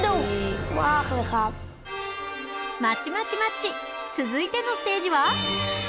まちまちマッチ続いてのステージは。